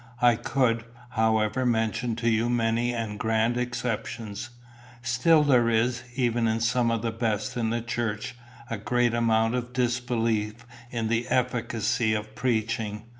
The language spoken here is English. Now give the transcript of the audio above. I could, however, mention to you many and grand exceptions. Still there is, even in some of the best in the church, a great amount of disbelief in the efficacy of preaching.